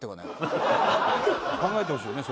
考えてほしいよね